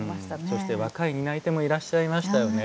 そして若い担い手もいらっしゃいましたよね。